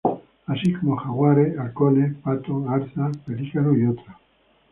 Así como jaguares, halcones, patos, garzas, pelícanos y otros.